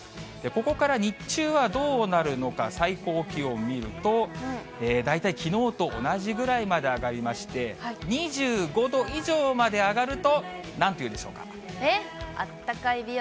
ここから日中はどうなるのか、最高気温見ると、大体きのうと同じぐらいまで上がりまして、２５度以上まで上がるえ？